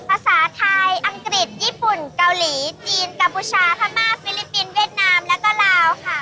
ภาษาไทยอังกฤษญี่ปุ่นเกาหลีจีนกัมพูชาพม่าฟิลิปปินส์เวียดนามแล้วก็ลาวค่ะ